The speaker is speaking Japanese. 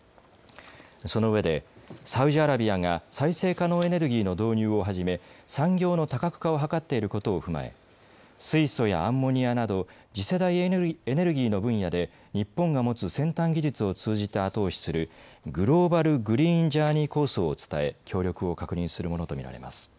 そのうえでサウジアラビアが再生可能エネルギーの導入をはじめ、産業の多角化を図っていることを踏まえ水素やアンモニアなど次世代エネルギーの分野で日本が持つ先端技術を通じて後押しするグローバル・グリーン・ジャーニー構想を伝え協力を確認するものと見られます。